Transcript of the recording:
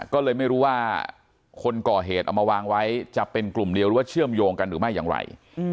ก็เลยไม่รู้ว่าคนก่อเหตุเอามาวางไว้จะเป็นกลุ่มเดียวหรือว่าเชื่อมโยงกันหรือไม่อย่างไร